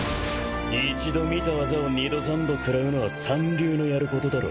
一度見た技を二度三度くらうのは三流のやることだろ。